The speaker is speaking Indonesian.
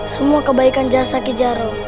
semua kebaikan yang ada di jaro